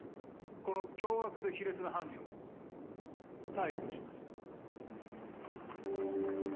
この凶悪で卑劣な犯人を逮捕します